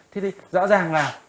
thế thì rõ ràng là